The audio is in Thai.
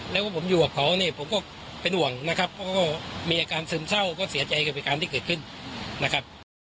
แล้วก็ผมอยู่กับเขาเนี่ยผมก็เป็นห่วงนะครับเขาก็มีอาการซึมเศร้าก็เสียใจกับเหตุการณ์ที่เกิดขึ้นนะครับ